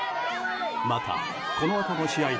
また、このあとの試合